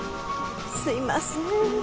すいません。